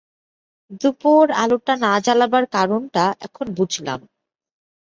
দুপোঁর আলোটা না জ্বালবার কারণটা এখন বুঝলাম।